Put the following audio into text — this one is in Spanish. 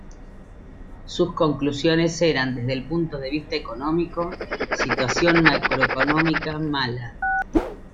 Sus conclusiones eran, desde el punto de vista económico: "Situación macroeconómica mala.